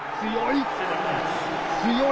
強い！